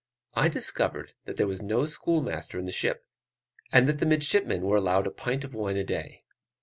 I discovered that there was no schoolmaster in the ship, and that the midshipmen were allowed a pint of wine a day.